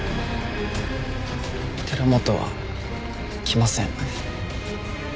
寺本は来ません。